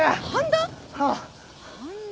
半田？